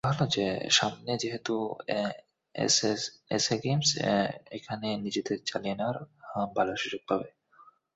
সামনে যেহেতু SA Games, এখানে নিজেদের ঝালিয়ে নেওয়ার ভালো সুযোগ পাব।